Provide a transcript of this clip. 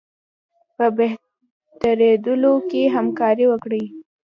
په بهترېدلو کې همکاري وکړي.